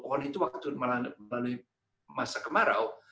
pohon itu waktu melalui masa kemarau